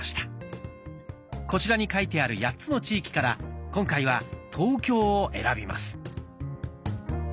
こちらに書いてある８つの地域から今回は「東京」を選びます。